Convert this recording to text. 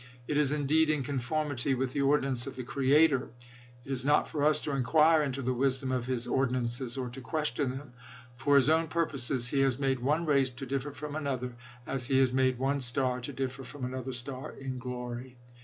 It is, indeed, in conformity with the ordinance of the Creator. It is not for us to inquire into the wisdom of his ordi nances, or to question them. For his own purposes he has made one race to differ from another, as he has made " one star to differ from another star in glory."